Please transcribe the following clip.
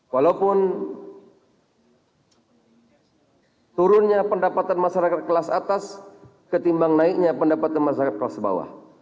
walaupun turunnya pendapatan masyarakat kelas atas ketimbang naiknya pendapatan masyarakat kelas bawah